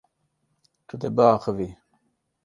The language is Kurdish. Tu dê biaxivî.